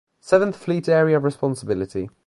Seventh Fleet area of responsibility.